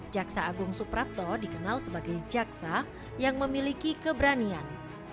jaksa agung suprapto dikenal sebagai jaksa yang memiliki keberanian